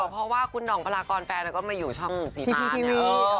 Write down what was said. เพราะว่าคุณห่องพลากรแฟนก็มาอยู่ช่องสีทีพีทีวี